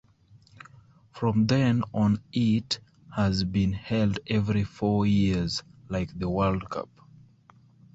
From then on it has been held every four years like the World Cup.